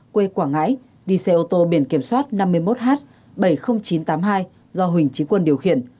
quê quảng ngãi đi xe ô tô biển kiểm soát năm mươi một h bảy mươi nghìn chín trăm tám mươi hai do huỳnh trí quân điều khiển